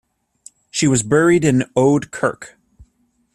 She was buried in the Oude Kerk.